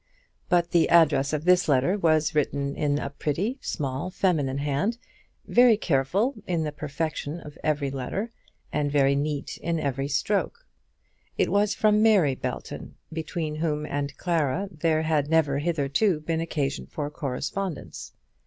But the address of this letter was written in a pretty, small, female hand, very careful in the perfection of every letter, and very neat in every stroke. It was from Mary Belton, between whom and Clara there had never hitherto been occasion for correspondence.